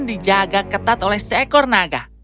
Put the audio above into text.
dijaga ketat oleh seekor naga